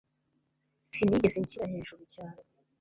sinigeze nshyira hejuru cyane